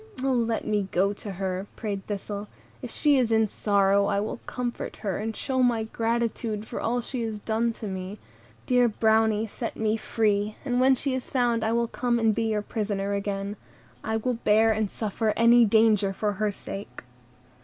"O let me go to her," prayed Thistle; "if she is in sorrow, I will comfort her, and show my gratitude for all she has done for me: dear Brownie, set me free, and when she is found I will come and be your prisoner again. I will bear and suffer any danger for her sake."